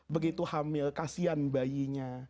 begitu hamil kasihan bayinya